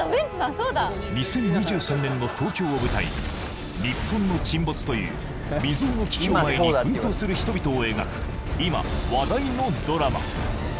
そうだ２０２３年の東京を舞台に日本の沈没という未曽有の危機を前に奮闘する人々を描く今話題のドラマ